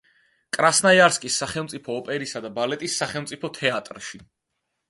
კრასნოიარსკის სახელმწიფო ოპერისა და ბალეტის სახელმწიფო თეატრში.